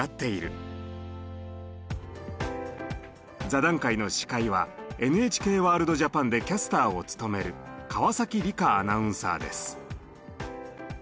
座談会の司会はＮＨＫＷＯＲＬＤＪＡＰＡＮでキャスターを務める川理加アナウンサーです。